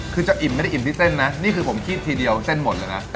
คือจะอิ่มไม่ได้อิ่มที่เส้นนะนี่คือผมคิดทีเดียวเส้นหมดเลยนะ